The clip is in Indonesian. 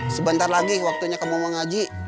sebentar lagi waktunya kamu mengaji